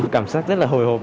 cảm giác rất là hồi hộp